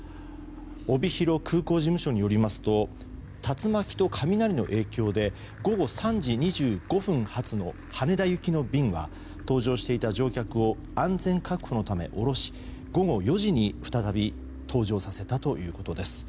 帯広空港事務所によりますと竜巻と雷の影響で午後３時２５分発の羽田行きの便が搭乗していた乗客を安全確保のため降ろし午後４時に再び搭乗させたということです。